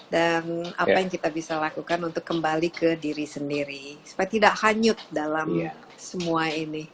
dan apa yang kita bisa lakukan untuk kembali ke diri sendiri supaya tidak hanyut dalam semua ini